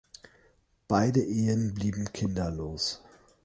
Beide Ehen blieben kinderlos.